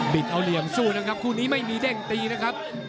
เอาเหลี่ยมสู้นะครับคู่นี้ไม่มีเด้งตีนะครับ